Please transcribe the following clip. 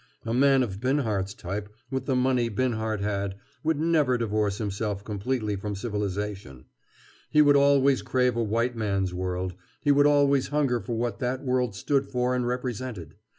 A man of Binhart's type, with the money Binhart had, would never divorce himself completely from civilization. He would always crave a white man's world; he would always hunger for what that world stood for and represented.